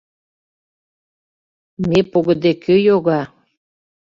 Ме погыде кӧ йога?